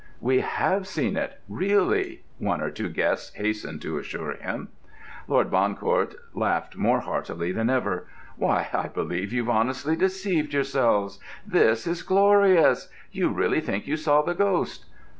"We have seen it—really," one or two guests hastened to assure him. Lord Bancourt laughed more heartily than ever. "Why, I believe you've honestly deceived yourselves! This is glorious! You really think you saw the ghost!"